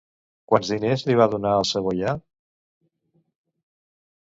Quants diners li va donar al savoià?